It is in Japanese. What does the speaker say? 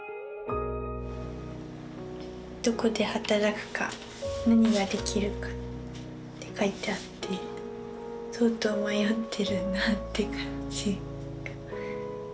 どこで働くか何ができるかって書いてあって相当迷ってるなって感じ。